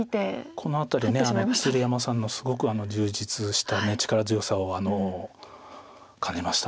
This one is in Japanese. この辺り鶴山さんのすごく充実した力強さを感じました。